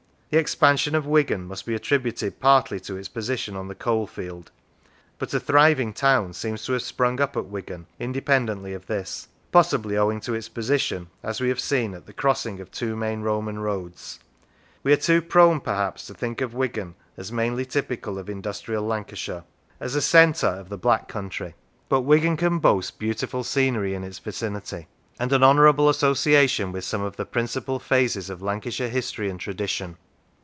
The expansion of Wigan must be attributed partly to its position on the coalfield, but a thriving town seems to have sprung up at Wigan independently of this; possibly owing to its position, as we have seen, at the crossing of two main Roman roads. We are too prone, perhaps, to think of Wigan as mainly typical of industrial Lancashire, as a centre of the 52 How It Came into Being Black Country; but Wigan can boast beautiful scenery in its vicinity, and an honourable association with some of the principal phases of Lancashire history and tradition.